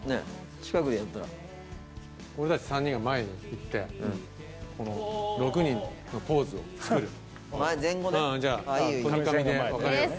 近くでやったら俺達３人が前に行ってこの６人のポーズを作る前前後ね